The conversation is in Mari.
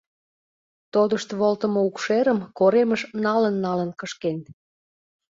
Тодышт волтымо укшерым коремыш налын-налын кышкен.